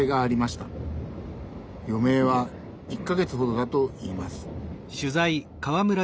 余命は１か月ほどだといいます。